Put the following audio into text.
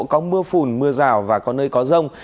có mưa phùn mưa rào và có nơi có rông